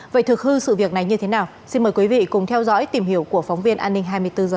vậy thực hư sự việc này như thế nào xin mời quý vị cùng theo dõi tìm hiểu của phóng viên an ninh hai mươi bốn h